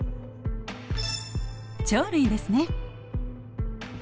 鳥類ですね。